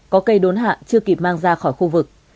có cây đốn hạ chưa kịp mang ra khỏi khu vực